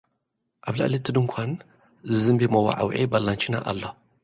ኣብ ልዕሊ'ቲ ድኳን ዝዝምቢ መዋዕውዒ ባላንቺና ኣሎ።